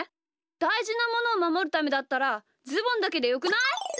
だいじなものをまもるためだったらズボンだけでよくない？